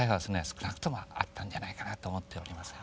少なくともあったんじゃないかなと思っております。